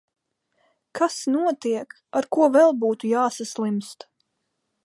Kas notiek, ar ko vēl būtu jāsaslimst?...